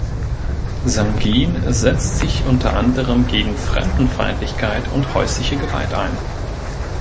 Sangin setzt sich unter anderem gegen Fremdenfeindlichkeit und häusliche Gewalt ein.